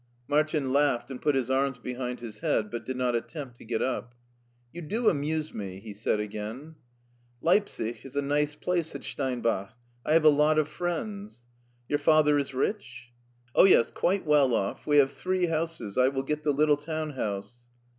Martin laughed and put his arms behind his head, but did not attempt to get up. *' You do amuse me," he said again. Leipsic IS a nice place," said Steinbach. '* I have a lot of friends." ''Your father is rich ?^ "Oh, yes, quite well off. We have three houses. I will get the little town house."